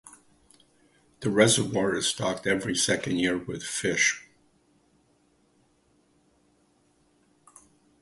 The reservoir is stocked every second year with fish.